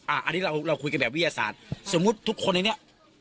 อันนี้เราคุยกันแบบวิทยาศาสตร์สมมุติทุกคนในนี้